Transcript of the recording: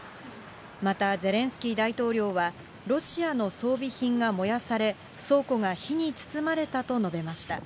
またゼレンスキー大統領は、ロシアの装備品が燃やされ、倉庫が火に包まれたと述べました。